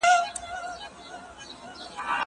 زه اوس سړو ته خواړه ورکوم!